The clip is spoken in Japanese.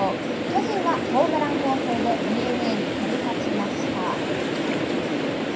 巨人はホームラン攻勢で、ＤｅＮＡに競り勝ちました。